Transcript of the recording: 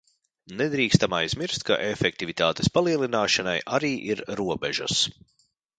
Nedrīkstam aizmirst, ka efektivitātes palielināšanai arī ir robežas.